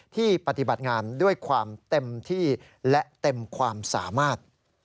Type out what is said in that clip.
ปฏิบัติงานด้วยความเต็มที่และเต็มความสามารถ